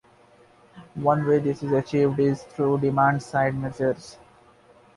One way this is achieved is through demand-side measures.